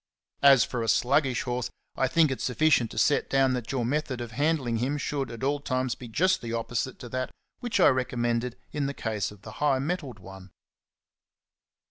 As for a sluggish horse, I think it sufficient to set down that your method of handling him should at all times be just the opposite to that which I recommended in the case of the high mettled one.